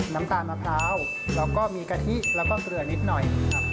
น้ำตาลมะพร้าวแล้วก็มีกะทิแล้วก็เกลือนิดหน่อย